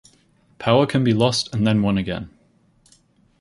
Power can be lost and then won again.